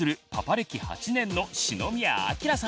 暦８年の篠宮暁さん。